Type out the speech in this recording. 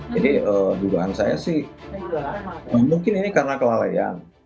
jadi dugaan saya sih mungkin ini karena kelalaian